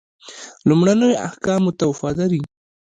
لومړنیو احکامو ته وفاداري.